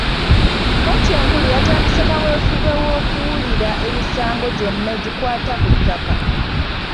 Kkooti enkulu yatandise kaweefube w’okuwulira emisango gyonna egikwata ku ttaka.